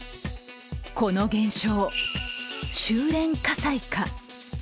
この現象、収れん火災か。